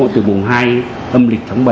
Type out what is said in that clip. từ vùng hai âm lịch tháng bảy